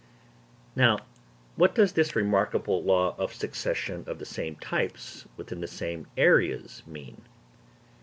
Now, what does this remarkable law of the succession of the same types within the same areas mean?